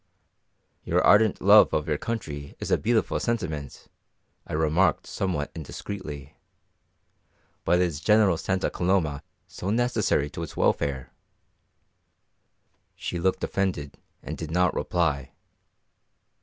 "Your ardent love of your country is a beautiful sentiment," I remarked somewhat indiscreetly, "but is General Santa Coloma so necessary to its welfare?" She looked offended and did not reply.